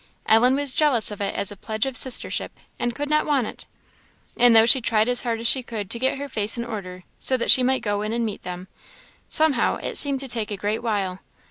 Ellen was jealous of it as a pledge of sistership, and could not want it; and though she tried as hard as she could to get her face in order, so that she might go in and meet them, somehow it seemed to take a great while.